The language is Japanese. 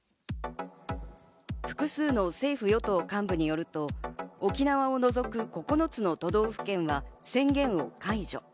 複数の政府・与党幹部によると、沖縄を除く９つの都道府県は、宣言を解除。